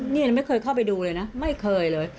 นี่ไม่เคยเข้าไปดูเลยนะไม่เคยเลย